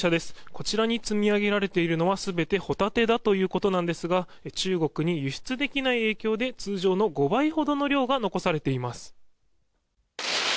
こちらに積み上げられているのは全てホタテだということですが中国に輸出できない影響で通常の５倍ほどの量が残されています。